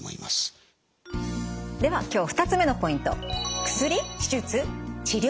では今日２つ目のポイント。